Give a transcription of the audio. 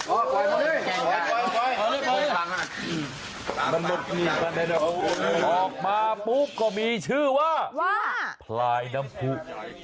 ออกมาปุ๊บก็มีชื่อว่าพลายน้ำผู้